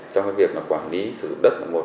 trong cái việc là quản lý sử dụng đất một